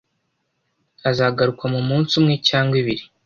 azagaruka mumunsi umwe cyangwa ibiri